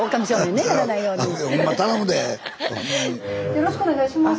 よろしくお願いします。